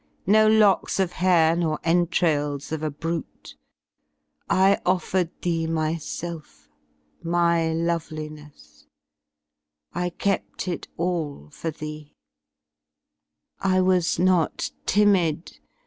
No locks of hair, nor entrails of a brute, I offered thee myself, my loveliness, I kept it all for thee, I was not timid.